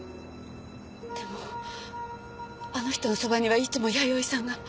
でもあの人の傍にはいつも弥生さんが。